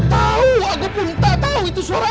tahu aku pun tak tahu itu suara apa